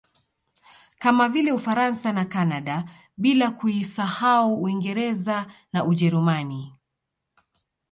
Kama vile Ufaransa na Canada bila kuisahau Uingereza na Ujerumani